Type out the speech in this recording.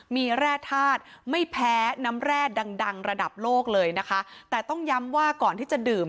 มีแร่ธาตุไม่แพ้น้ำแร่ดังดังระดับโลกเลยนะคะแต่ต้องย้ำว่าก่อนที่จะดื่ม